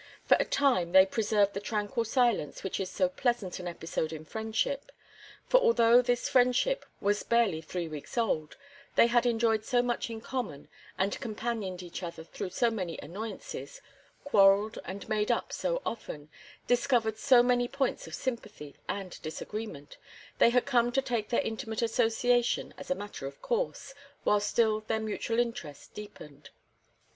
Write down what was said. For a time they preserved the tranquil silence which is so pleasant an episode in friendship; for although this friendship was barely three weeks old, they had enjoyed so much in common, and companioned each other through so many annoyances, quarrelled and made up so often, discovered so many points of sympathy and disagreement, they had come to take their intimate association as a matter of course, while still their mutual interest deepened.